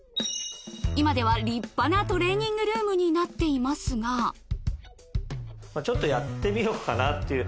今では立派なトレーニングルームになっていますがちょっとやってみようかなっていう。